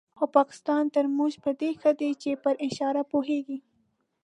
خو پاکستان تر موږ په دې ښه دی چې پر اشاره پوهېږي.